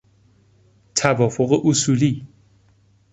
توافق اصولی